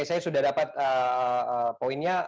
saya sudah dapat poinnya